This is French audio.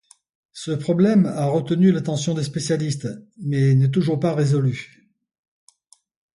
Ce problème a retenu l'attention des spécialistes, mais n'est toujours pas résolu.